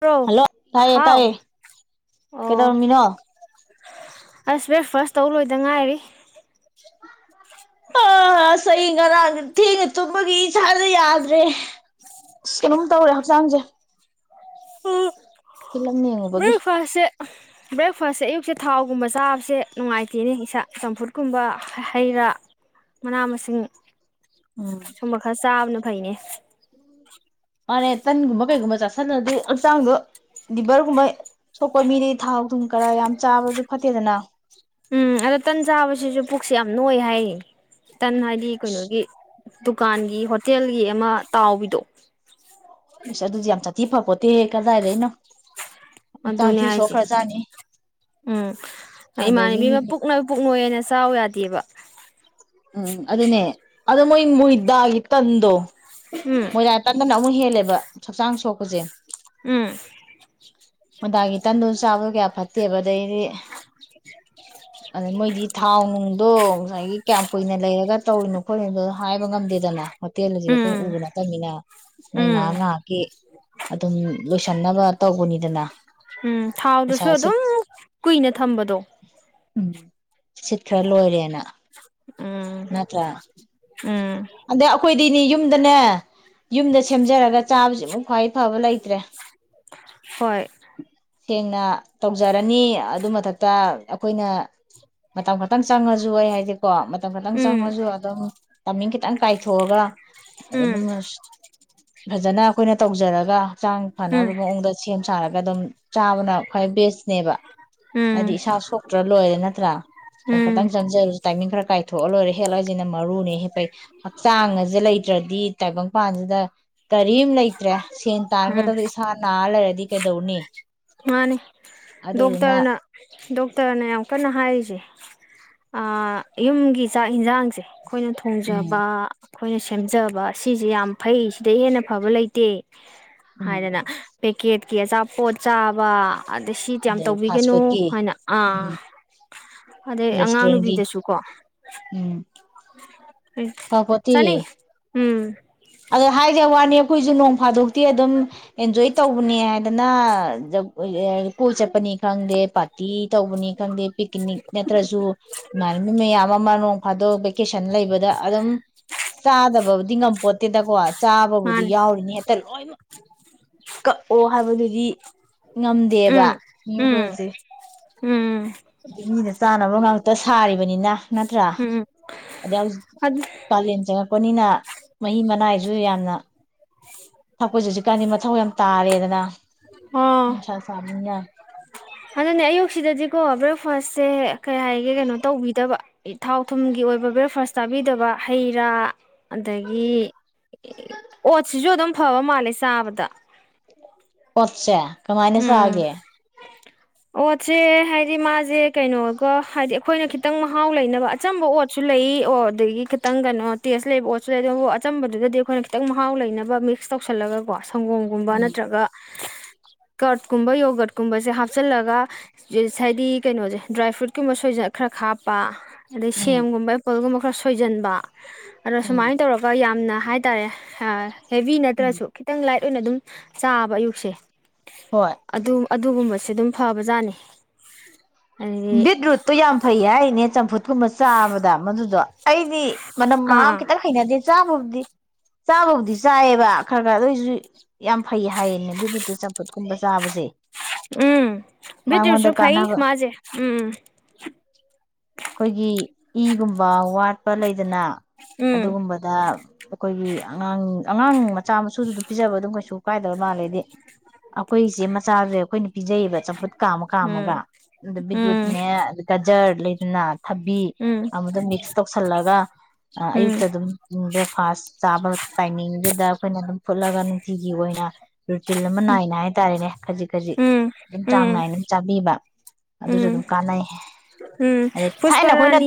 bro hello ꯇꯥꯏꯌꯦ ꯇꯥꯏꯌꯦ ꯍꯥꯎ ꯑꯣ ꯀꯩꯗꯧꯔꯝꯃꯤꯅꯣ ꯑꯁ ꯕ꯭ꯔꯦꯛꯐꯥꯁ ꯇꯧ ꯂꯣꯏꯗ ꯉꯥꯏꯔꯤ ꯑ ꯑꯁ ꯆꯩ ꯉꯔꯥꯡꯗꯤ ꯊꯦꯡꯉ ꯇꯨꯝꯕꯒꯤ ꯏꯁꯥꯖꯦ ꯌꯥꯗ꯭ꯔꯦ ꯑꯁ ꯀꯩꯅꯣꯝ ꯇꯧꯔꯦ ꯍꯛꯆꯥꯡꯁꯦ ꯑꯑ ꯍꯍ ꯐꯤꯂꯝ ꯌꯦꯡꯉꯨꯕꯒꯤ ꯕ꯭ꯔꯦꯛꯐꯥꯁꯦ ꯕ꯭ꯔꯦꯛꯐꯥꯁꯦ ꯑꯌꯨꯛꯁꯦ ꯊꯥꯎꯒꯨꯝꯕ ꯆꯥꯕꯁꯦ ꯅꯨꯡꯉꯥꯏꯇꯦꯅꯦ ꯏꯁꯥ ꯆꯝꯐꯨꯠꯀꯨꯝꯕ ꯍ ꯍꯩ ꯔꯥ ꯃꯅꯥ ꯃꯁꯤꯡ ꯎꯝ ꯁꯨꯝꯕ ꯈꯔ ꯆꯥꯕꯅ ꯐꯩꯅꯦ ꯃꯥꯅꯦ ꯇꯟꯒꯨꯝꯕ ꯀꯩꯒꯨꯝꯕ ꯆꯁ ꯅꯗꯤ ꯍꯛꯆꯥꯡꯗꯣ ꯂꯤꯚꯔꯒꯨꯝꯕ ꯁꯣꯛꯄ ꯃꯤꯗꯤꯩ ꯊꯥꯎ ꯊꯨꯝ ꯀꯔꯥ ꯌꯥꯝ ꯆꯥꯕꯁꯨ ꯐꯠꯇꯦꯗꯅ ꯎꯝ ꯑꯗ ꯇꯟ ꯆꯥꯕꯁꯤꯁꯨ ꯄꯨꯛꯁ ꯌꯥꯝ ꯅꯣꯏ ꯍꯥꯏꯌꯦ ꯇꯟ ꯍꯥꯏꯗꯤ ꯀꯩꯅꯣꯒꯤ ꯗꯨꯀꯥꯟꯒꯤ ꯍꯣꯇꯦꯜꯒꯤ ꯑꯃ ꯇꯥꯎꯕꯤꯗꯣ ꯏꯁ ꯑꯗꯨꯗꯤ ꯁꯥꯊꯤ ꯐꯄꯣꯇꯦꯍꯦ ꯀꯗꯥꯥꯏꯗꯩꯩꯅꯣ ꯑꯗꯨꯅꯦ ꯍꯥꯏꯁꯦ ꯎꯝ ꯏꯃꯥꯟꯅꯕꯤ ꯑꯗꯒꯤꯗꯤ ꯑꯃ ꯄꯨꯛꯅꯣꯏ ꯄꯨꯛꯅꯣꯏꯅ ꯆꯥꯎ ꯌꯥꯗꯦꯕ ꯎꯝ ꯑꯗꯨꯗꯅꯦ ꯑꯗ ꯃꯣ ꯏ ꯃꯣꯏꯗꯒꯤ ꯇꯟꯗꯨ ꯎꯝ ꯃꯣꯏꯗ ꯇꯟꯗꯨꯅ ꯑꯃꯨ ꯍꯦꯜ ꯂꯦꯕ ꯍꯛꯆꯥꯡ ꯁꯣꯛꯄꯁꯦ ꯎꯝ ꯃꯣꯏꯗꯥꯒꯤ ꯇꯟꯗꯨ ꯆꯥꯕꯁꯨ ꯀꯌꯥ ꯐꯠꯇꯦꯕ ꯑꯗꯩꯗꯤ ꯑꯗ ꯃꯣꯏꯗꯤ ꯊꯥꯎ ꯅꯨꯡꯗꯣ ꯉꯁꯥꯏꯒꯤ ꯀꯌꯥꯝ ꯀꯨꯏꯅ ꯂꯩꯔꯒ ꯇꯧꯔꯤꯅꯣ ꯈꯣꯠꯂꯤꯅꯣꯗꯣ ꯍꯥꯏꯕ ꯉꯝꯗꯦꯗꯅ ꯍꯦꯜꯑꯖꯤ ꯈꯣꯏ ꯎꯝ ꯎꯕ ꯅ ꯇꯅꯤꯅ ꯃꯣꯏ ꯎꯝ ꯉꯥꯏꯍꯥꯛ ꯉꯥꯏꯍꯥꯛꯀꯤ ꯑꯗꯨꯝ ꯂꯣꯏꯁꯟꯅꯕ ꯇꯧꯕꯅꯤꯗꯅ ꯎꯝ ꯄꯩꯁꯥ ꯊꯥꯎꯗꯨꯁꯨ ꯁꯤꯠ ꯑꯗꯨꯝ ꯀꯨꯏꯅ ꯊꯝꯕꯗꯣ ꯁꯤꯠꯈ꯭ꯔ ꯂꯣꯏꯔꯦꯅ ꯎꯝ ꯇꯔꯥ ꯎꯝ ꯑꯗ ꯑꯩꯈꯣꯏꯗꯤꯅꯤ ꯌꯨꯝ ꯌꯨꯝꯗꯅꯦ ꯌꯨꯝꯗ ꯁꯦꯝꯖꯔꯒ ꯆꯥꯕꯁꯤꯃꯨꯛ ꯈ꯭ꯋꯥꯏ ꯐꯕ ꯂꯩꯇ꯭ꯔꯦ ꯍꯣꯏ ꯁꯦꯡꯅ ꯇꯧꯖꯔꯅꯤ ꯑꯗꯨ ꯃꯊꯛꯇ ꯑꯩꯈꯣꯏꯅ ꯃꯇꯝ ꯈꯛꯇꯪ ꯆꯪꯉꯁꯨ ꯑꯩ ꯍꯥꯏꯖꯦꯀꯣ ꯃꯇꯝ ꯈꯛꯇꯪ ꯎꯝ ꯆꯪꯉꯁꯨ ꯑꯗꯨꯝ ꯇꯅꯤꯡ ꯈꯤ ꯇꯪ ꯀꯥꯏꯊꯣꯛꯑꯒ ꯎꯝ ꯑꯗꯨꯝ ꯐꯖꯅ ꯑꯩꯈꯣꯏꯅ ꯇꯧꯖꯔꯒ ꯍꯛꯆꯥꯡ ꯐꯅꯕ ꯎꯝ ꯃꯑꯣꯡꯗ ꯁꯦꯝ ꯁꯥꯔꯒ ꯑꯗꯨꯝ ꯆꯥꯕꯅ ꯈ꯭ꯋꯥꯏ ꯕꯦꯁꯅꯦꯕ ꯍꯥꯏꯗꯤ ꯎꯝ ꯏꯁꯥ ꯁꯣꯛꯇ꯭ꯔ ꯂꯣꯏꯔꯦ ꯅꯠꯇ꯭ꯔꯥ ꯎꯝ ꯈꯤꯇꯪ ꯆꯪꯖꯔꯁꯨ ꯇꯥꯏꯃꯤꯡ ꯈꯔ ꯀꯥꯏꯊꯣꯛꯑ ꯂꯣꯏꯔꯦ ꯍꯦꯜꯂꯁꯤꯅ ꯃꯔꯨꯅꯦ ꯍꯦꯛꯄꯩ ꯍꯛꯆꯥꯡ ꯑꯁꯦ ꯂꯩꯇ꯭ꯔꯗꯤ ꯇꯥꯏꯕꯪꯄꯥꯟꯁꯤꯗ ꯀꯔꯤꯝ ꯂꯩꯇ꯭ꯔꯦ ꯁꯦꯟ ꯎꯝ ꯇꯥꯟꯒꯗꯕꯗ ꯏꯁꯥ ꯅꯥꯔ ꯂꯩꯔꯗꯤ ꯀꯩꯗꯧꯅꯤ ꯃꯥꯅꯤ ꯑꯗꯨꯗꯨꯅ ꯗꯣꯛꯇꯔꯅ ꯗꯣꯛꯇꯔꯅ ꯌꯥꯝ ꯀꯟꯅ ꯍꯥꯏꯔꯤꯁꯦ ꯑꯥ ꯌꯨꯝꯒꯤ ꯆꯥꯛ ꯍꯤꯟꯖꯥꯡꯁꯦ ꯑꯩꯈꯣꯏꯅ ꯊꯣꯡꯖꯕ ꯎꯝ ꯑꯩꯈꯣꯏꯅ ꯁꯦꯝꯖꯕ ꯁꯤꯁꯦ ꯌꯥꯝ ꯐꯩ ꯁꯤꯗ ꯍꯦꯟꯅ ꯐꯕ ꯂꯩꯇꯦ ꯎꯝ ꯍꯥꯏꯗꯅ ꯄꯦꯀꯦꯠꯀꯤ ꯑꯆꯥꯄꯣꯠ ꯆꯥꯕ ꯑꯗꯩ ꯌꯥꯝ ꯑꯗꯩ ꯐꯥꯁ ꯇꯧꯕꯤꯒꯅꯨ ꯐꯨꯗꯀꯤ ꯍꯥꯏꯅ ꯎꯝ ꯑꯥ ꯑꯗꯩ ꯑꯉꯥꯡ ꯔꯦꯁꯇꯨꯔꯦꯟꯒꯤ ꯅꯨꯕꯤꯗꯁꯨꯀꯣ ꯎꯝ ꯎ ꯆꯅꯤ ꯎꯝ ꯑꯗ ꯍꯥꯏꯖ ꯋꯥꯅꯤ ꯑꯩꯈꯣꯏꯁꯨ ꯅꯣꯡ ꯐꯥꯗꯣꯛꯇꯤ ꯑꯗꯨꯝ ꯑꯦꯟꯖꯣꯏ ꯇꯧꯕꯅꯤ ꯍꯥꯏꯗꯅ ꯀꯣꯏ ꯆꯠꯄꯅꯤ ꯈꯪꯗꯦ ꯄꯥꯔꯇꯤ ꯇꯧꯕꯅꯤ ꯈꯪꯗꯦ ꯄꯤꯛꯅꯤꯛ ꯅꯠꯇ꯭ꯔꯁꯨ ꯏꯃꯥꯟꯅꯕꯤ ꯃꯌꯥꯝ ꯑꯃ ꯅꯣꯡ ꯐꯥꯗꯣꯛ ꯚꯦꯀꯦꯁꯟ ꯂꯩꯕꯗ ꯑꯗꯨꯝ ꯆꯥꯗꯕꯕꯨꯗꯤ ꯉꯝꯄꯣꯠ [unintelligible] ꯆꯥꯕꯕꯨꯗꯤ ꯃꯥꯅꯦ ꯌꯥꯎꯔꯤꯅꯤ ꯍꯦꯛꯇ ꯂꯣꯏꯃꯛ ꯀꯛꯑꯣ ꯍꯥꯏꯕꯗꯨꯗꯤ ꯉꯝꯗꯦꯕ ꯎꯝ ꯃꯤꯑꯣꯏ ꯎꯝ ꯈꯔꯁꯦ ꯎꯝ ꯑ ꯃꯤꯗ ꯆꯥꯅꯕ ꯉꯇ ꯇ ꯁꯥꯔꯤꯕꯅꯤꯅ ꯅꯠꯇ꯭ꯔꯥ ꯎꯝ ꯑꯗꯩ ꯍꯧꯖꯤꯛ ꯑꯗꯨ ꯀꯥꯂꯦꯟ ꯆꯪꯉꯛꯄꯅꯤꯅ ꯃꯍꯤ ꯃꯅꯥꯏꯁꯨ ꯌꯥꯝꯅ ꯊꯛꯄꯁꯨ ꯍꯧꯖꯤꯛꯀꯥꯟꯗꯤ ꯃꯊꯧ ꯌꯥꯝ ꯇꯥꯔꯦꯗꯅ ꯑꯣ ꯅꯨꯡꯁꯥ ꯆꯥꯕꯅꯤꯅ ꯑꯗꯨꯅꯦ ꯑꯌꯨꯛꯁꯤꯗꯗꯤꯀꯣ ꯕ꯭ꯔꯦꯛꯐꯥꯁꯁꯦ ꯀꯩ ꯍꯥꯏꯒꯦ ꯀꯩꯅꯣ ꯇꯧꯕꯤꯗꯕ ꯊꯥꯎ ꯊꯨꯝꯒꯤ ꯑꯣꯏꯕ ꯕ꯭ꯔꯦꯛꯐꯥꯁ ꯇꯥꯕꯤꯗꯕ ꯍꯩ ꯔꯥ ꯑꯗꯒꯤ ꯑꯣꯠꯁꯤꯁꯨ ꯑꯗꯨꯝ ꯐꯥꯎ ꯃꯥꯂꯁꯕꯗ ꯄꯆꯦ ꯀꯃꯥꯏꯅꯦꯁꯒꯦ ꯑꯣꯠꯁꯦ ꯍꯥꯏꯗꯤ ꯃꯥꯁꯦ ꯀꯩꯅꯣꯒ ꯍꯥꯏꯗꯤ ꯑꯩꯈꯣꯏꯅ ꯈꯤꯇꯪ ꯃꯍꯥꯎ ꯂꯩꯅꯕ ꯑꯆꯝꯕ ꯑꯣꯠꯁꯨ ꯂꯩ ꯑꯣ ꯑꯗꯨꯗꯒꯤ ꯈꯤꯇꯪ ꯀꯩꯅꯣ ꯇꯦꯁ ꯂꯩꯕ ꯑꯣꯠꯁꯨ ꯂꯩ ꯑꯆꯝꯕꯗꯨꯗꯗꯤ ꯑꯩꯈꯣꯏꯅ ꯈꯤꯇꯪ ꯃꯍꯥꯎ ꯂꯩꯅꯕ ꯃꯤꯛꯁ ꯇꯧꯁꯜꯂꯒꯀꯣ ꯁꯪꯒꯣꯝꯒꯨꯝꯕ ꯎꯝ ꯅꯠꯇ꯭ꯔꯒ ꯀꯔꯠꯀꯨꯝꯕ ꯌꯣꯒꯠꯀꯨꯝꯕꯁꯦ ꯍꯥꯞꯆꯤꯜꯂꯒ ꯍꯥꯏꯗꯤ ꯀꯩꯅꯣꯁꯦ ꯗ꯭ꯔꯥꯏ ꯐ꯭ꯔꯨꯏꯠ ꯀꯨꯝꯕ ꯁꯣꯏꯗ ꯈꯔ ꯍꯥꯞꯄ ꯑꯗ ꯎꯝ ꯁꯦꯦꯝꯒꯨꯝꯕ ꯏꯄꯣꯒꯨꯝꯕ ꯈꯔꯁ ꯁꯣꯏꯖꯟꯕ ꯑꯗꯣ ꯎꯝ ꯁꯨꯃꯥꯏꯅ ꯇꯧꯔꯒ ꯌꯥꯝ ꯌꯥꯝꯅ ꯍꯥꯏꯇꯥꯔꯦ ꯍꯦꯕꯤ ꯎꯝ ꯅꯠꯇ꯭ꯔꯁꯨ ꯈꯤꯇꯪ ꯂꯥꯏꯠ ꯂꯣꯏꯅ ꯑꯗꯨꯝ ꯆꯥꯕ ꯑꯌꯨꯛꯁꯦ ꯍꯣꯏ ꯑꯗꯨ ꯑꯗꯨꯒꯨꯝꯕꯁꯦ ꯁꯤ ꯑꯗꯨꯝ ꯐꯕꯖꯥꯠꯅꯤ ꯑꯗꯒꯤ ꯕꯤꯗꯔꯨꯨ ꯌꯥꯝ ꯐꯩ ꯍꯥꯏ ꯏꯅꯦ ꯆꯐꯨ ꯀꯨꯝꯕ ꯆꯥꯕꯗ ꯃꯗꯨꯗꯣ ꯑꯩꯗꯤ ꯃꯅꯝ ꯃꯍꯥ ꯑꯥ ꯈꯤꯇꯪ ꯍꯩꯅꯗꯦ ꯆꯥꯕꯕꯨꯗꯤ ꯆꯥꯕꯕꯨꯗꯤ ꯆꯥꯏꯌꯦꯕ ꯈꯔ ꯈꯔ ꯑꯗꯨ ꯑꯣꯏꯏꯁꯨ ꯌꯥꯝ ꯐꯩ ꯍꯥꯏꯌꯦꯅꯦ ꯕꯤꯗꯨꯇꯦ ꯆꯝꯐꯨꯠꯀꯨꯝꯕ ꯆꯥꯕꯁꯦ ꯎꯝ ꯃꯉꯣꯟꯗ ꯕꯤꯇꯔꯁꯨ ꯐꯩ ꯀꯥꯟꯅꯕ ꯃꯥꯁꯦ ꯎꯝ ꯑꯩꯈꯣꯏꯒꯤ ꯏꯒꯨꯝꯕ ꯋꯥꯠꯄ ꯂꯩꯗꯅ ꯎꯝ ꯑꯗꯨꯒꯨꯝꯕꯗ ꯑꯩꯈꯣꯏꯒꯤ ꯑꯉꯥꯡ ꯑꯉꯥꯡ ꯃꯆꯥ ꯃꯁꯨꯗꯨꯗ ꯄꯤꯖꯕ ꯑꯗꯨꯝ ꯀꯩꯁꯨ ꯀꯥꯏꯗꯕ ꯃꯥꯜꯂꯦꯗꯤ ꯑꯩꯈꯣꯏꯁꯦ ꯃꯆꯥꯗꯨꯦ ꯑꯩꯈꯣꯏꯅ ꯄꯤꯖꯩꯌꯦꯕ ꯆꯝꯐꯨꯠ ꯀꯥꯃ ꯀꯥꯃꯒ ꯑ ꯎꯝ ꯠꯨꯤꯅꯦꯦ ꯑꯗꯨ ꯀ ꯖꯔ ꯂꯤꯗꯅꯥ ꯊꯥꯕꯤ ꯎꯝ ꯑꯃꯗ ꯃꯤꯛꯁ ꯀꯧꯁꯜꯂꯒ ꯑꯥ ꯎꯝ ꯑꯌꯨꯛꯇ ꯑꯗꯨꯝ ꯎ ꯕ꯭ꯔꯦꯛꯐꯥꯁ ꯆꯥꯕ ꯇꯥꯏꯃꯤꯡꯗꯨꯗ ꯑꯩꯈꯣꯏꯅ ꯑꯗꯨꯝ ꯐꯨꯠꯂꯒ ꯅꯨꯡꯇꯤꯒꯤ ꯑꯣꯏꯅ ꯔꯨꯇꯤꯟ ꯑꯃ ꯅꯥꯏꯅ ꯍꯥꯏꯇꯥꯔꯦꯅꯦ ꯈꯖꯤꯛ-ꯈꯖꯤꯛ ꯎꯝ ꯎꯝ ꯑꯗꯨꯝ ꯆꯥꯡ ꯎꯝ ꯅꯥꯏꯅ ꯑꯗꯨꯝ ꯆꯥꯕꯤꯕ ꯎꯝ ꯑꯗꯨꯁꯨ ꯎꯝ ꯑꯗꯨꯝ ꯀꯥꯟꯅꯩꯍꯦ ꯎꯝ ꯑꯗꯩ ꯊꯥꯏꯅ ꯑꯈꯣꯏꯅ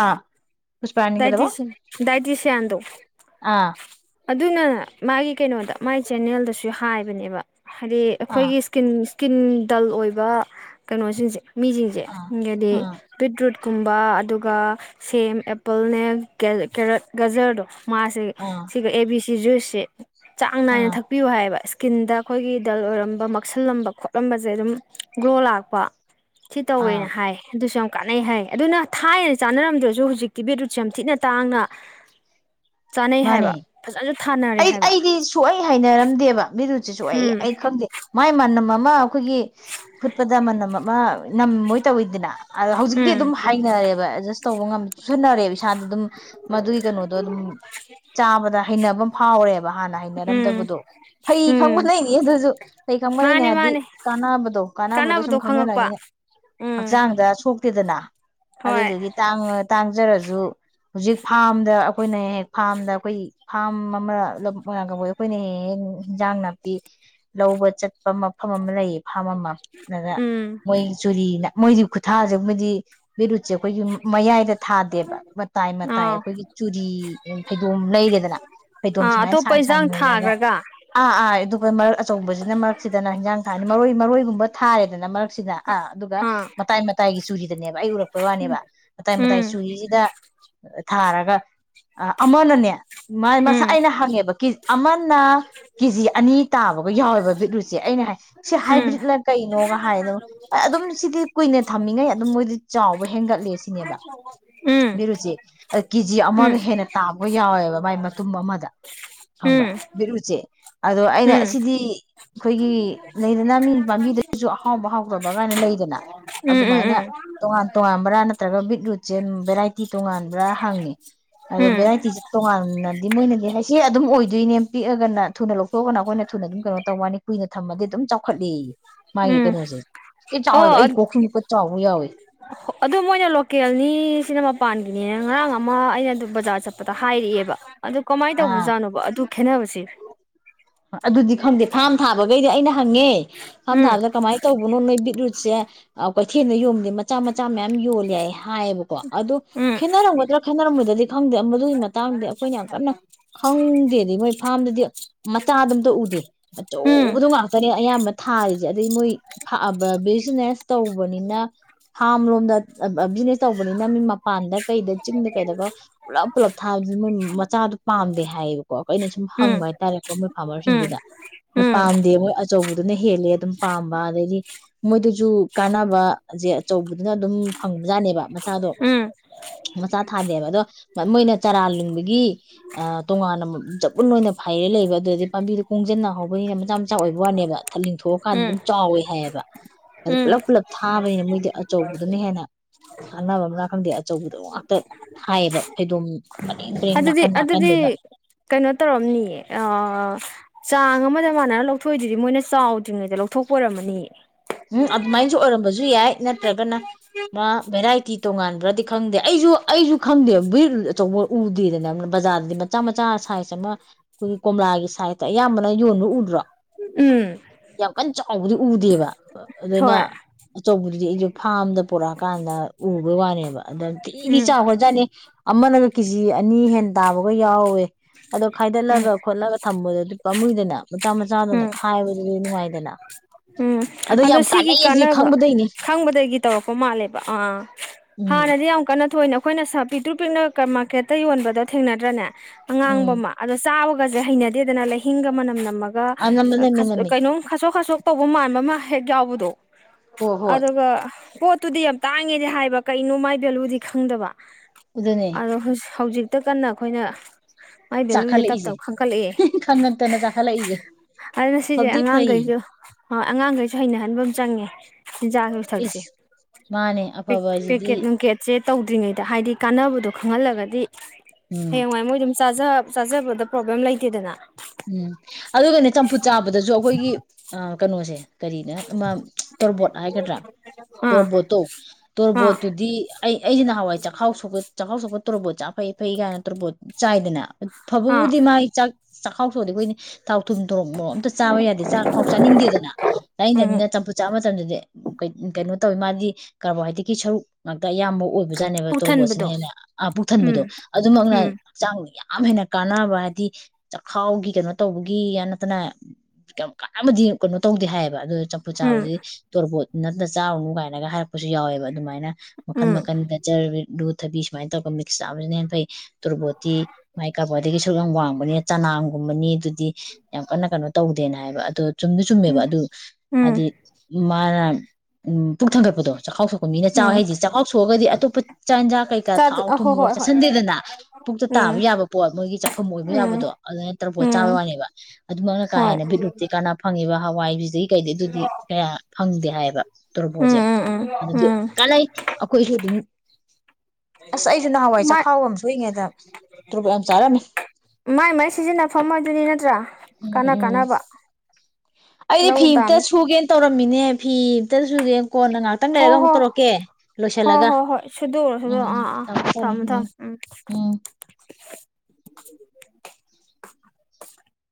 ꯑꯥ- ꯄꯨꯁꯄꯥꯔꯥꯅꯤ ꯀꯩꯗꯧꯕ ꯗꯥꯏꯗꯤꯁꯤ ꯗꯥꯥꯏꯗꯤꯁꯌꯥꯗꯣ ꯑꯥ ꯑꯗꯨꯅ ꯃꯒꯤ ꯀꯩꯅꯣꯗ ꯃꯒꯤ ꯆꯦꯅꯦꯜꯗꯁꯨ ꯍꯥꯏꯕꯅꯦꯕ ꯍꯥꯏꯗꯤ ꯑꯥ ꯑꯩꯈꯣꯏꯒꯤ ꯏꯁꯀꯤꯟꯁ ꯀꯤꯟ ꯗꯜ ꯑꯣꯏꯕ ꯀꯩꯅꯣꯁꯤꯡꯁꯦ ꯃꯤꯖꯤꯡꯖꯦ ꯑꯥ ꯎꯝ ꯑꯗꯤ ꯑꯥ [unintelligible] ꯀꯨꯝꯕ ꯑꯗꯨꯒ ꯁꯦꯝ ꯑꯦꯄꯜꯅꯦ ꯒꯦꯜ ꯀꯦꯔꯠ ꯒꯖꯔꯗꯣ ꯃꯥꯁꯦ ꯑꯥ ꯕꯤ ꯁꯤ ꯖꯨꯏꯁꯁꯦ ꯆꯥꯡ ꯅꯥꯏꯅ ꯑꯥ ꯊꯛꯄꯤꯌꯨ ꯍꯥꯏꯌꯦꯕ ꯏꯁ ꯀꯤꯟꯗ ꯑꯩꯈꯣꯏꯒꯤ ꯗꯜ ꯑꯣꯏꯔꯝꯕ ꯃꯛꯁꯤꯜꯂꯝꯕ ꯈꯣꯠꯂꯝꯕꯖꯦ ꯑꯗꯨꯝ ꯒ꯭ꯂꯣ ꯂꯥꯛꯄ ꯁꯤ ꯑꯥ ꯇꯧꯋꯦꯅ ꯍꯥꯏ ꯑꯗꯨꯁꯨ ꯌꯥꯝ ꯀꯥꯟꯅꯩ ꯍꯥꯏ ꯑꯗꯨꯅ ꯊꯥꯏꯅ ꯆꯥꯅꯔꯝꯗ꯭ꯔꯖꯨ ꯍꯧꯖꯤꯛꯇꯤ ꯕꯤꯠꯔꯨꯠꯁꯦ ꯌꯥꯝ ꯊꯤꯅ ꯇꯥꯡꯅ ꯆꯥꯅꯩ ꯃꯥꯅꯦ ꯍꯥꯏꯌꯦꯕ ꯑꯩ ꯑꯩꯗꯤ ꯁꯨꯍꯩ ꯍꯩꯅꯔꯝꯗꯦꯕ ꯕꯤꯔꯨꯠ ꯁꯤꯁꯨ ꯑꯩ ꯎꯝ ꯑꯩ ꯈꯪꯗꯦ ꯃꯥꯏ ꯃꯥ ꯅꯃ ꯑꯃ ꯑꯩꯈꯣꯏꯒꯤ ꯐꯨꯠꯄꯗ ꯃꯅꯝ ꯑꯃ ꯅꯝꯃꯣꯏ ꯇꯧꯋꯤꯗꯅ ꯑꯗ ꯍꯧꯖꯤꯛꯇꯤ ꯎꯝ ꯑꯗꯨꯝ ꯍꯩꯅꯔꯦꯕ ꯑꯦꯗꯖꯁ ꯇꯧꯕ ꯉꯝ ꯆꯨꯁꯤꯟꯅꯔꯦꯕ ꯏꯁꯥꯗ ꯑꯗꯨꯝ ꯃꯗꯨꯒꯤ ꯀꯩꯅꯣꯗꯣ ꯑꯗꯨꯝ ꯆꯥꯕꯗ ꯍꯩꯅꯕ ꯑꯝ ꯐꯥꯎꯔꯦ ꯕ ꯍꯥꯟꯅ ꯎꯝ ꯍꯩꯅꯔꯝꯗꯕꯗꯣ ꯐꯩ [unintelligible] ꯎꯝ ꯂꯩꯅꯤ ꯑꯗꯨꯁꯨ ꯀꯩ ꯈꯪꯕꯗꯩꯅꯦ ꯃꯥꯅꯤ ꯍꯥꯏꯗꯤ ꯃꯥꯅꯤ ꯀꯥꯟꯅꯕꯗꯣ ꯀꯥꯟꯅꯕꯗꯣ ꯁꯨꯝ ꯈꯪꯅꯔꯅꯤꯅ ꯎꯝ ꯍꯛꯆꯥꯡꯗ ꯁꯣꯛ ꯇꯦꯗꯅ ꯍꯣꯏ ꯑꯗꯨꯗꯨꯒꯤ ꯇꯥꯡꯕ ꯇꯥꯡꯖꯔꯖꯨ ꯍꯨꯖꯤꯛ ꯐꯥꯝꯗ ꯑꯩꯈꯣꯏꯅ ꯍꯦꯛ ꯐꯥꯝꯗ ꯑꯩꯈꯣꯏ ꯐꯥꯝ ꯑꯃꯥ ꯂꯝ ꯃꯣꯏꯔꯥꯡ ꯀꯝꯄꯨꯏ ꯑꯈꯣꯏꯅ ꯍꯦꯛ-ꯍꯦꯛ ꯍꯤꯟꯖꯥꯡ ꯅꯥꯄꯤ ꯂꯧꯕ ꯆꯠꯄ ꯃꯐꯝ ꯑꯃ ꯂꯩꯌꯦ ꯐꯥꯝ ꯑꯃ ꯑꯗ ꯎꯝ ꯃꯣꯏ ꯆꯨꯔꯤꯅ ꯃꯣꯏꯗꯤ ꯈꯨꯊꯥꯁꯃꯗꯤ ꯕꯤꯔꯨꯠꯁꯦ ꯑꯩꯈꯣꯏꯒꯤ ꯃꯌꯥꯏꯗ ꯊꯥꯗꯦꯕ ꯃꯇꯥꯏ ꯃꯇꯥꯏ ꯑꯥꯎ ꯑꯩꯈꯣꯏꯒꯤ ꯆꯨꯔꯤ ꯐꯩꯗꯣꯝ ꯂꯩꯔꯦꯗꯅ ꯐꯩꯗꯣꯝ ꯑꯥ ꯁꯨꯃꯥꯏꯅ ꯑꯇꯣꯞꯄ ꯁꯥꯡ ꯏꯟꯁꯥꯡ ꯁꯥꯡꯅ ꯂꯩꯔꯦ ꯑꯗ ꯊꯥꯈ꯭ꯔꯒ ꯑꯥ ꯑꯥ ꯑꯗꯨ ꯃꯔꯔ ꯑꯆꯧꯕꯁꯤꯅ ꯃꯔꯛꯁꯤꯗꯅ ꯍꯤꯟꯖꯥꯡ ꯊꯥꯅꯤ ꯃꯔꯣꯏ ꯃꯔꯣꯏꯒꯨꯝꯕ ꯊꯥꯔꯦꯗꯅ ꯃꯔꯛꯁꯤꯗ ꯑꯥ ꯑꯗꯨꯒ ꯑꯥ ꯃꯇꯥꯏ ꯃꯇꯥꯏꯒꯤ ꯆꯨꯔꯤꯗꯅꯦꯕ ꯑꯩ ꯎꯔꯛꯄꯩ ꯎꯝ ꯋꯥꯅꯦꯕ ꯃꯇꯥꯏ ꯃꯇꯥꯏꯒꯤ ꯎꯝ ꯆꯨꯔꯤꯁꯤꯗ ꯊꯥꯔꯒ ꯑꯃꯅꯅꯦ ꯃꯁꯥ ꯎꯝ ꯑꯩꯅ ꯍꯪꯉꯦꯕꯦ ꯑꯃꯅ ꯀꯦꯖꯤ ꯑꯅꯤ ꯇꯥꯕꯒ ꯌꯥꯎꯋꯦꯕ ꯎꯠꯂꯨꯁꯦ ꯑꯩꯅ ꯍꯥꯏ ꯁꯤ ꯎꯝ ꯍꯥꯏꯕ꯭ꯔꯤꯠꯅ ꯀꯩꯅꯣꯒ ꯍꯥꯏꯗ ꯑꯗꯨꯝ ꯁꯤꯗꯤ ꯀꯨꯏꯅ ꯊꯝꯃꯤꯉꯩ ꯑꯗꯨꯝ ꯃꯣꯏꯗꯤ ꯆꯥꯎꯕ ꯍꯦꯟꯒꯠꯂꯦ ꯁꯤꯅꯦꯕ ꯎꯝ ꯕꯤꯦꯔꯨꯁꯦ ꯀꯦꯖꯤ ꯑꯃ ꯎꯝ ꯎꯝ ꯍꯦꯟꯅ ꯇꯥꯕꯒ ꯌꯥꯎꯋꯦꯕ ꯃꯥꯏ ꯃꯇꯨꯝ ꯑꯃꯗ ꯈꯪꯕ꯭ꯔꯥ ꯕꯤꯠꯔꯨꯠꯁꯦ ꯑꯗꯣ ꯑꯩꯅ ꯑꯁꯤꯗꯤ ꯑꯩꯈꯣꯏꯒꯤ ꯂꯩꯗꯅ ꯃꯤ ꯄꯥꯝꯕꯤꯗꯨꯁꯨ ꯑꯍꯥꯎꯕ ꯍꯥꯎꯇꯕ ꯀꯥꯏꯅ ꯂꯩꯗꯅ ꯎꯝ ꯑꯗꯨꯃꯥꯏꯅ ꯇꯣꯉꯥꯟ ꯇꯣꯉꯥꯟꯕ꯭ꯔꯥ ꯅꯠꯇ꯭ꯔꯒ ꯕꯤꯠꯔꯨꯠꯁꯦ ꯚꯦꯔꯥꯏꯇꯤ ꯇꯣꯉꯥꯟꯕ꯭ꯔꯥ ꯍꯪꯉꯦ ꯎꯝ ꯎꯝ ꯑꯗꯣ ꯚꯦꯔꯥꯏꯇꯤꯁꯦ ꯇꯣꯉꯥꯟꯅꯗꯤ ꯃꯣꯏꯅꯗꯤ ꯍꯥꯏꯁꯦ ꯑꯗꯨꯝ ꯑꯣꯏꯗꯣꯏꯅꯦ ꯄꯤꯛꯑꯒꯅ ꯊꯨꯅ ꯂꯧꯊꯣꯛꯑꯒꯅ ꯑꯩꯈꯣꯏꯅ ꯊꯨꯅ ꯑꯗꯨꯝ ꯀꯩꯅꯣ ꯇꯧꯧꯕꯅꯤ ꯀꯨꯏꯅ ꯊꯝꯃꯗꯤ ꯑꯗꯨꯝ ꯆꯥꯎꯈꯠꯂ ꯃꯥꯒꯤ ꯎꯝ ꯀꯩꯅꯣꯁꯦ ꯌꯥꯝ ꯑꯣ ꯆꯥꯎꯋꯦꯕ ꯑꯩ ꯀꯣꯛꯁꯨꯃꯨꯛꯀ ꯆꯥꯎꯕ ꯌꯥꯎꯏ ꯑꯗꯨ ꯃꯣꯏꯅ ꯂꯣꯀꯦꯜꯅꯤ ꯁꯤꯅ ꯃꯄꯥꯟꯒꯤꯅꯦ ꯉꯔꯥꯡ ꯑꯃ ꯑꯩꯅ ꯑꯗꯨꯝ ꯕꯖꯥꯔ ꯆꯠꯄꯗ ꯍꯥꯏꯔꯛꯑꯦꯕ ꯑꯗꯨꯣ ꯀꯃꯥꯏꯅ ꯑꯥ ꯇꯧꯕꯖꯥꯠꯅꯣꯕ ꯑꯗꯨ ꯈꯦꯅꯕꯨꯕꯁꯤ ꯑꯗꯨꯗꯤ ꯈꯪꯗꯦ ꯐꯥꯔꯝ ꯊꯥꯕꯈꯩꯗꯤ ꯑꯩꯅ ꯍꯪꯉꯦ ꯐꯥꯔꯝ ꯎꯝ ꯊꯥꯕꯗ ꯀꯃꯥꯏꯅ ꯇꯧꯕꯅꯣ ꯅꯣꯏ ꯕꯤꯠꯔꯨꯠ ꯁꯦ ꯀꯩꯊꯦꯜꯗ ꯌꯣꯕꯗꯤ ꯃꯆꯥ ꯃꯆꯥ ꯃꯌꯥꯝ ꯌꯣꯜꯂꯦ ꯍꯥꯏ ꯍꯥꯏꯌꯦꯕꯀꯣ ꯑꯗꯨꯣ ꯎꯝ ꯈꯦꯠꯅꯔꯝꯒꯗ꯭ꯔꯥ ꯈꯦꯠꯅꯔꯝꯃꯣꯏꯗꯗꯤ ꯈꯪꯗꯦ ꯗꯨ ꯃꯇꯥꯡꯗꯦ ꯑꯩꯈꯣꯏꯅ ꯌꯥꯝ ꯀꯟꯅ ꯈꯪꯗꯦꯗꯤ ꯃꯣꯏ ꯐꯥꯝꯗꯗꯤ ꯃꯆꯥꯗꯣ ꯑꯝꯇ ꯎꯗꯦ ꯎꯝ ꯑꯆꯧꯕꯗꯣ ꯉꯥꯛꯇꯅꯦ ꯑꯌꯥꯝꯕ ꯊꯥꯔꯤꯁꯦ ꯑꯗꯩ ꯃꯣꯏ ꯕꯤꯖꯤꯅꯦꯁ ꯇꯧꯕꯅꯤꯅ ꯐꯥꯝ ꯂꯣꯝꯗ ꯕꯤꯖꯤꯅꯦꯁ ꯇꯧꯕꯅꯤꯅ ꯃꯤ ꯃꯄꯥꯟꯗ ꯀꯩꯗ ꯆꯤꯡꯗ ꯀꯩꯗꯒ ꯄꯨꯜꯂꯞ ꯄꯨꯜꯂꯞ ꯊꯥꯕꯕꯁꯤ ꯃꯣꯏ ꯃꯆꯥꯗꯣ ꯄꯥꯝꯗꯦ ꯍꯥꯏꯌꯦꯕꯀꯣ ꯑꯩꯅ ꯁꯨꯝ ꯍꯪꯕ ꯎꯝ ꯍꯥꯏꯇꯥꯔꯦꯀ ꯃꯣꯏ ꯎꯝ ꯐꯥꯔꯃꯔꯁꯤꯡꯗꯨꯗ ꯎꯝ ꯄꯥꯝꯗꯦ ꯃꯣꯏ ꯑꯆꯧꯕꯗꯨꯅ ꯍꯦꯜꯂꯦ ꯑꯗꯨꯝ ꯄꯥꯝꯕ ꯑꯗꯩꯗꯤ ꯃꯣꯏꯗꯨꯁꯨ ꯀꯥꯟꯅꯕꯁꯦ ꯑꯆꯧꯕꯗꯨꯅ ꯑꯗꯨꯝ ꯐꯪꯕꯖꯥꯠꯅꯦꯕ ꯃꯆꯥꯗꯣ ꯎꯝ ꯃꯆꯥ ꯊꯥꯗꯦꯕ ꯑꯗꯣ ꯃꯣꯏꯅ ꯆꯔꯥ ꯂꯤꯡꯕꯒꯤ ꯑ ꯇꯣꯉꯥꯟꯅ ꯆꯕꯨꯟ ꯑꯣꯏꯅ ꯐꯩꯔꯦ ꯂꯩꯕ ꯑꯗꯨꯗꯤ ꯄꯥꯝꯕꯤꯗꯨꯣ ꯀꯣꯡꯁꯤꯟꯅ ꯍꯧꯕꯅꯤꯅ ꯃꯆꯥ ꯃꯆꯥ ꯑꯣꯏꯕ ꯋꯥꯅꯦꯕ ꯂꯤꯡꯊꯣꯛꯑꯀꯥꯟꯗ ꯑꯗꯨꯝ ꯎꯝ ꯆꯥꯎꯋꯦ ꯍꯥꯏꯌꯦꯕ ꯑꯗꯨꯗ ꯎꯝ ꯄꯨꯜꯂꯞ ꯄꯨꯜꯂꯞ ꯊꯥꯕꯅꯤꯅ ꯃꯣꯏꯗꯤ ꯑꯆꯧꯕꯗꯨꯅ ꯍꯦꯟꯅ ꯀꯥꯟꯅꯕ ꯑꯃ ꯈꯪꯗꯦ ꯑꯆꯧꯕꯗꯣ ꯉꯥꯛꯇ ꯊꯥꯏꯌꯦꯕ ꯐꯩꯗꯣꯝ ꯄꯔꯦꯡ ꯄꯔꯦꯡ ꯑꯗꯨꯗꯤ ꯅꯥꯀꯟ ꯑꯗꯨꯗꯤ ꯅꯥꯀꯟꯗꯨꯗ ꯀꯩꯅꯣ ꯇꯧꯔꯝꯅꯤ ꯑ ꯑ ꯆꯥꯡ ꯑꯃꯗ ꯃꯥꯟꯅꯔ ꯂꯧꯊꯣꯛꯏꯗꯨꯗꯤ ꯃꯣꯏꯅ ꯆꯥꯎꯗ꯭ꯔꯤꯉꯩꯗ ꯂꯧꯊꯣꯛꯄ ꯑꯣꯏꯔꯝꯃꯅꯤ ꯎꯝ ꯑꯗꯨꯃꯥꯏꯅꯁꯨ ꯑꯣꯏꯔꯝꯕꯁꯨ ꯨ ꯌꯥꯏ ꯅꯠꯇ꯭ꯔꯒꯅ ꯃꯥ ꯚꯦꯔꯥꯏꯇꯤ ꯇꯣꯉꯥꯟꯕ꯭ꯔꯗꯤ ꯈꯪꯗꯦ ꯑꯩꯁꯨ ꯑꯩꯁꯨ ꯈꯪꯗꯦꯕ ꯕꯨ ꯑꯆꯧꯕ ꯎꯗꯦꯗꯅꯅ ꯕꯖꯥꯔꯗꯗꯤ ꯃꯆꯥ ꯃꯆꯥ ꯁꯥꯏꯖ ꯑꯃ ꯑꯩꯈꯣꯏꯒꯤ ꯀꯣꯝꯂꯥꯒꯤ ꯁꯥꯏꯖꯇ ꯑꯌꯥꯝꯕꯅ ꯌꯣꯟꯕ ꯎꯗ꯭ꯔꯣ ꯎꯝ ꯌꯥꯝ ꯀꯟꯅ ꯆꯥꯎꯕꯗꯤ ꯎꯗꯦꯕ ꯑꯗꯨꯅ ꯍꯣꯏ ꯑꯆꯧꯕꯗꯨꯗꯤ ꯑꯩꯁꯨ ꯐꯥꯝꯗ ꯄꯣꯔꯛꯑꯀꯥꯟꯗ ꯎꯕꯩ ꯋꯥꯅꯦꯕ ꯑꯗ ꯊꯤꯗꯤ ꯎꯝ ꯆꯥꯎꯒꯔꯖꯥꯠꯅꯤ ꯑꯃꯅꯒ ꯀꯦꯖꯤ ꯑꯅꯤ ꯍꯦ ꯇꯥꯕꯒ ꯌꯥꯎꯋꯦ ꯑꯗꯣ ꯎꯝ ꯈꯥꯏꯗꯠꯂꯒ ꯈꯣꯠꯂꯒ ꯊꯝꯕꯗꯗꯤ ꯄꯥꯝꯃꯨꯏꯗꯅ ꯃꯆꯥ ꯃꯆꯥꯗꯅ ꯎꯝ ꯈꯥꯏꯕꯗꯨꯗꯤ ꯅꯨꯡꯉꯥꯏꯗꯅ ꯎꯝ ꯑꯗꯣ ꯌꯥꯝ ꯁꯤꯒꯤ ꯀꯥꯟꯅꯩ ꯑꯁꯤ ꯀꯥꯟꯅꯕ ꯈꯪꯕꯗꯩꯅꯦ ꯈꯪꯕꯗꯒꯤ ꯇꯧꯔꯛꯄ ꯃꯥꯜꯂꯦꯕ ꯑꯥ ꯎꯝ ꯍꯥꯟꯅꯗꯤ ꯌꯥꯝ ꯀꯟꯅ ꯊꯣꯛꯏꯅꯦ ꯑꯩꯈꯣꯏꯅ ꯄꯤꯛꯇ꯭ꯔꯨ ꯄꯤꯛꯅ [unintelligible] ꯃꯥꯔꯀꯦꯠꯇ ꯌꯣꯟꯕꯗꯣ ꯊꯦꯡꯅꯗ꯭ꯔꯅꯦ ꯑꯉꯥꯡꯕ ꯎꯝ ꯑꯃ ꯑꯗꯣ ꯆꯥꯕ ꯒꯁꯦ ꯍꯩꯅꯗꯦꯗꯅ ꯂꯩꯍꯤꯡꯒ ꯃꯅꯝ ꯅꯝꯃ ꯑꯗꯨꯒ ꯑꯅꯝꯕ ꯅꯝꯃꯦ ꯅꯝꯃꯦ ꯀꯩꯅꯣꯝ ꯈꯥꯁꯣꯛ ꯈꯁꯣꯛ ꯇꯧꯕ ꯃꯥꯟꯕ ꯑꯃ ꯍꯦꯛ ꯌꯥꯎꯕꯗꯣ ꯍꯣꯏ ꯍꯣꯏ ꯑꯗꯨꯒ ꯄꯣꯠꯇꯨꯗꯤ ꯌꯥꯝ ꯇꯥꯡꯉꯦꯗꯤ ꯍꯥꯏꯕ ꯀꯩꯅꯣ ꯃꯥꯏ ꯚꯦꯂꯨꯗꯤ ꯈꯪꯗꯕ ꯑꯗꯨꯅꯦ [unintelligible] ꯍꯧꯖꯤꯛ ꯍꯦꯛꯇ ꯀꯟꯅ ꯑꯩꯈꯣꯏꯅ ꯃꯥꯏ ꯚꯦꯂꯨꯁꯦ ꯇꯞ ꯆꯥꯈꯠꯂꯛꯏꯁꯦ ꯇꯞ ꯈꯟꯀꯠꯂꯛꯑꯦ ꯈꯪꯉꯛꯇꯅ ꯆꯥꯈꯠꯂꯛꯏꯁꯦ ꯑꯗꯨꯅ ꯁꯤꯁꯦ ꯐꯕꯗꯤ ꯐꯩ ꯑꯉꯥꯡꯈꯩꯁꯨ ꯑꯉꯥꯡꯈꯩꯁꯨ [unintelligible] ꯖꯥ ꯁꯨ ꯊꯛꯁꯤ ꯏꯁ ꯃꯥꯅꯦ ꯄꯦꯛ ꯑꯐꯕ ꯍꯥꯏꯁꯤꯗꯤ ꯄꯦꯀꯦꯠ ꯅꯨꯡ ꯀꯦꯠ ꯆꯦ ꯇꯧꯗ꯭ꯔꯤꯉꯩꯗ ꯍꯥꯏꯗꯤ ꯀꯥꯟꯅꯕꯗꯣ ꯈꯪꯍꯜꯂꯒꯗꯤ ꯎꯝ ꯍꯌꯦꯡꯋꯥꯏ [unintelligible] ꯆꯥꯖ ꯆꯥꯖꯕꯗ ꯄ꯭ꯔꯣꯕ꯭ꯂꯦꯝ ꯂꯩꯇꯦꯗꯅ ꯎꯝ ꯑꯗꯨꯒꯅꯦ ꯆꯝꯐꯨꯠ ꯆꯥꯕꯗꯁꯨ ꯑꯩꯈꯣꯏꯒꯤ ꯑ ꯀꯩꯅꯣꯁꯦ ꯀꯔꯤꯅꯣ ꯑꯃ ꯇꯣꯔꯕꯣꯠ ꯍꯥꯏꯒꯗ꯭ꯔꯥ ꯑꯥ ꯇꯣꯔꯕꯣꯠꯇꯣ ꯑꯥ ꯇꯣꯔꯕꯣꯠꯇꯨꯗꯤ ꯑꯩ ꯑꯩꯁꯤ ꯅꯍꯥꯟꯋꯥꯏ ꯆꯈꯥꯎ ꯆꯈꯥꯎ ꯁꯣꯛꯄ ꯇꯣꯔꯕꯣꯠ ꯆ ꯐꯩ ꯐꯩ ꯀꯥꯏꯅ ꯇꯣꯔꯕꯣꯠ ꯆꯥꯏꯗꯅ ꯑꯥ ꯐꯕꯕꯨꯗꯤ ꯃꯥꯥꯏ ꯆꯥꯛ ꯆꯥꯛꯈꯥꯎ ꯁꯣꯛꯑꯗꯤ [unintelligible] ꯇꯥꯎ ꯊꯨꯝ ꯊꯣꯔꯣꯛ ꯃꯣꯛ ꯑꯝꯇ ꯆꯥꯕ ꯌꯥꯗꯦ ꯆꯥꯛ ꯐꯥꯎ ꯆꯥꯅꯤꯡꯗꯦꯗꯅ ꯎꯝ ꯂꯩꯅꯗꯕꯅꯤꯅ ꯆꯝꯐꯨ ꯆꯥꯃ [unintelligible] ꯃꯇꯝꯗꯨꯗꯤ ꯀꯩꯅꯣ ꯇꯧꯋꯤ ꯃꯥꯗꯤ ꯀꯥꯔꯕꯣꯍꯥꯏꯗ꯭ꯔꯦꯠꯀꯤ ꯁꯔꯨꯛ ꯑꯌꯥꯝꯕ ꯑꯣꯏꯕꯖꯥꯠꯅꯦꯕ ꯄꯨꯛ ꯇꯣꯔꯣꯕꯣꯠꯁꯤꯅ ꯊꯟꯕꯗꯣ ꯍꯦꯟꯅ ꯎꯝ ꯄꯨꯛꯊꯟꯕꯗꯣ ꯑꯗꯨꯃꯛꯅ ꯎꯝ ꯍꯛꯆꯥꯡꯗ ꯌꯥꯝ ꯌꯥꯝ ꯍꯦꯟꯅ ꯀꯥꯟꯅꯕ ꯍꯥꯏꯗꯤ ꯆꯈꯥꯎꯒꯤ ꯀꯩꯅꯣ ꯇꯧꯕꯒꯤ ꯌꯥ ꯅꯠꯇꯅ ꯀꯥꯟ ꯑꯃꯗꯤꯗꯤ ꯀꯩꯅꯣ ꯇꯧꯗꯦ ꯍꯥꯏꯌꯦꯕ ꯑ ꯆꯞꯄꯨ ꯎꯝ ꯆꯥꯕꯥꯗꯤ ꯇꯧꯔꯕꯣꯠ ꯅꯇꯅ ꯆꯥꯔꯨꯅꯨ ꯀꯥꯏꯅꯒ ꯍꯥꯏꯔꯛꯄꯁꯨ ꯌꯥꯎꯋꯦꯕ ꯑꯗꯨꯃꯥꯏꯅ ꯃꯈꯟ ꯎꯝ ꯃꯇꯟ ꯒꯖꯔ [unintelligible] ꯆꯊꯕꯤ ꯁꯨꯃꯥꯏꯅ ꯇꯧꯔꯒ ꯃꯤꯛꯁ ꯆꯥꯕꯁꯤꯅ ꯍꯟꯅ ꯐꯩ ꯇꯣꯔꯕꯣꯇꯤ ꯃꯥꯏ ꯀꯥꯄꯗꯒꯤ ꯁꯔꯛ ꯌꯥꯝ ꯋꯥꯡꯕꯅꯦ ꯆꯅꯥꯝꯒꯨꯝꯕꯅꯤ ꯑꯗꯨ ꯗꯤ ꯌꯥꯝ ꯀꯟꯅ ꯀꯩꯅꯣ ꯇꯧꯗꯦꯅ ꯍꯥꯏꯕ ꯑꯗꯨ ꯆꯨꯝꯅ ꯆꯨꯝꯃꯦꯕ ꯎꯝ ꯑꯗꯨ ꯎꯝ ꯍꯥꯏꯗꯤ ꯃꯥꯅ ꯎꯝ ꯄꯨꯛ ꯊꯥꯡꯒꯠꯄꯗꯣ ꯆꯥꯛꯈꯥꯎ ꯁꯣꯛꯄ ꯃꯤꯅ ꯎꯝ ꯆꯥꯎꯋꯦ ꯍꯥꯏꯗꯤ ꯆꯥꯛꯈꯥꯎ ꯁꯣꯛꯑꯒꯗꯤ ꯑꯇꯣꯞꯄ ꯆꯥꯛꯟꯖꯥꯛ ꯀꯩꯀꯥ ꯆꯥꯗ ꯊꯥꯎ ꯑ ꯍꯣꯏ ꯊꯨꯝꯃꯒ ꯍꯣꯏ ꯍꯣꯏ ꯆꯠꯁꯤꯟꯗꯦꯗꯅ ꯄꯨꯛꯇ ꯎꯝ ꯇꯥꯕ ꯌꯥꯕ ꯄꯣꯠ ꯃꯣꯏꯒꯤ ꯆꯥꯐꯝ ꯑꯣꯏꯕ ꯎꯝ ꯌꯥꯕꯗꯣ ꯑꯗꯨꯃꯥꯏꯅ ꯇꯔꯨꯛꯣꯠ ꯎꯝ ꯆꯥꯕ ꯋꯥꯅꯦꯕ ꯑꯗꯨꯃꯛꯅ ꯀꯥꯦ ꯍꯣꯏ ꯕꯤꯗꯂꯨꯤ ꯀꯥꯟ ꯐꯪꯉꯦ ꯍꯋꯥꯏꯕꯤꯖꯤ ꯀꯩꯗꯩ ꯑꯗꯨꯗꯤ ꯀꯌꯥ ꯐꯪꯗꯦ ꯍꯥꯏꯌꯦꯕ ꯎꯝ ꯇꯣꯔꯣꯄꯣꯁꯦ ꯎꯝ ꯎꯝ ꯑꯗꯨꯗꯤ ꯎꯝ ꯀꯥꯟꯂꯩ ꯑꯩꯈꯣꯏꯁꯨ ꯑꯗꯨꯝ ꯑꯁ ꯑꯩꯁꯨ ꯅꯍꯥꯟꯋꯥꯏ ꯃꯥꯏ ꯆꯈꯥꯎ ꯑꯃ ꯁꯨꯏꯉꯩꯗ ꯇ꯭ꯔꯨꯨꯛ ꯌꯥꯝ ꯆꯥꯔꯝꯃꯤ ꯁꯤꯖꯤꯟꯅꯐꯝꯃ ꯑꯗꯨꯅꯤ ꯅꯠꯇ꯭ꯔꯥ ꯎꯝ ꯀꯅꯥ ꯎꯝ ꯀꯅꯥꯕ ꯑꯩꯗꯤ ꯐꯤ ꯑꯝꯇ ꯁꯨꯒꯦꯅ ꯇꯧꯔꯝꯃꯤꯅꯦ ꯐꯤ ꯠꯇꯁꯨꯦ ꯀꯣꯟꯅ ꯉꯥꯏꯍꯥꯛꯇꯪ ꯍꯣ ꯂꯩꯔꯒ ꯑꯃꯨꯛ ꯍꯣ ꯇꯧꯔꯛꯀꯦ ꯍꯣ ꯂꯣꯏꯁꯤꯜꯂꯒ ꯍꯣ ꯍꯣꯏ ꯁꯨꯗꯣꯛꯎꯔꯣ ꯎꯝ ꯁꯨꯗꯣꯛꯎꯔꯣ ꯎꯝ ꯑꯥ ꯑꯥ ꯊꯝꯃꯦ ꯊꯝꯃꯦ ꯊꯝꯃꯣ ꯎꯝ ꯊꯝꯃꯣ ꯎꯝ [inaudible]